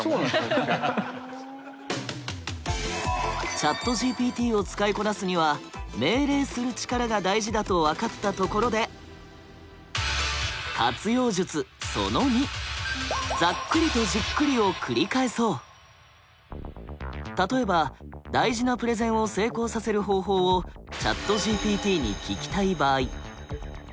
ＣｈａｔＧＰＴを使いこなすには命令する力が大事だと分かったところで例えば大事なプレゼンを成功させる方法をＣｈａｔＧＰＴに聞きたい場合。